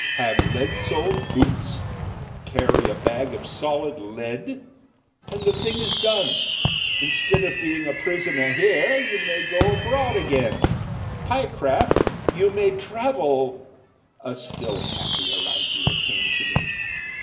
Have lead soled boots, carry a bag of solid lead, and the thing is done! Instead of being a prisoner here you may go abroad again, Pyecraft; you may travel " A still happier idea came to me.